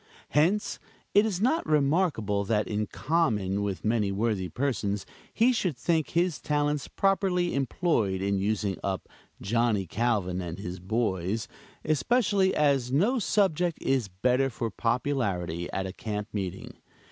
Hence, it is not remarkable that in common with many worthy persons, he should think his talents properly employed in using up "Johnny Calvin and his boys," especially as no subject is better for popularity at a camp meeting.